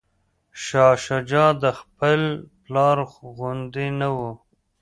شاه شجاع د خپل پلار غوندې نه و.